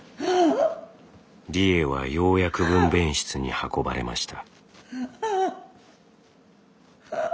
理栄はようやく分べん室に運ばれました。